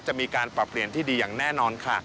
จะมีการปรับเปลี่ยนที่ดีอย่างแน่นอนค่ะ